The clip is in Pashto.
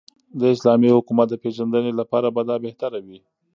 داسلامې حكومت دپيژندني لپاره به دابهتره وي